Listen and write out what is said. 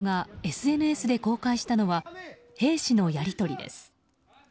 ロシア国防省がＳＮＳで公開したのは兵士のやり取りです。